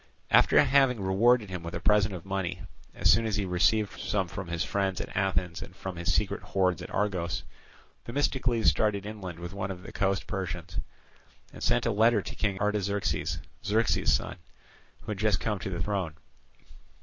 After having rewarded him with a present of money, as soon as he received some from his friends at Athens and from his secret hoards at Argos, Themistocles started inland with one of the coast Persians, and sent a letter to King Artaxerxes, Xerxes's son, who had just come to the throne.